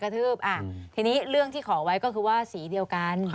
ทีนี้เรื่องที่ขอไว้ก็คือว่าสีเดียวกัน